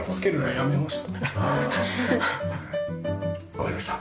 わかりました。